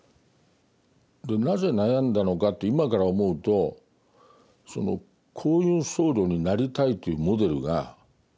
なぜ悩んだのかって今から思うとこういう僧侶になりたいというモデルがなかった。